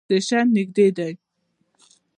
سټیشن نژدې دی